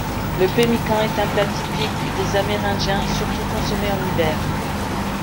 Le pemmican est un plat typique des Amérindiens, surtout consommé en hiver.